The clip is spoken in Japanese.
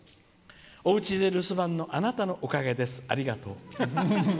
おうちで留守番のあなたのおかげです。